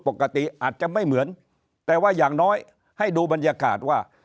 ปกติอาจจะไม่เหมือนแต่ว่าอย่างน้อยให้ดูบรรยากาศว่า